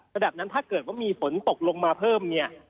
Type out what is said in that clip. ระดับน้ำถ้าเกิดว่ามีฝนตกลงมาเพิ่ม